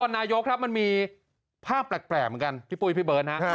นายกครับมันมีภาพแปลกเหมือนกันพี่ปุ้ยพี่เบิร์ตฮะ